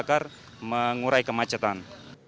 pembelian kereta api sebidang